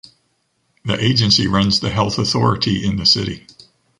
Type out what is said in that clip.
The Agency runs the health authority in the city.